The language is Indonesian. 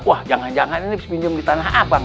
wah jangan jangan ini pinjam di tanah abang